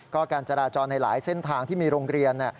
ก็การจราจรในหลายเส้นทางที่มีโรงเรียน